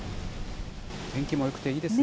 天気もよくていいですね。